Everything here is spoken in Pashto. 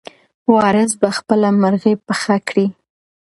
وارث به خپله مرغۍ پخه کړي.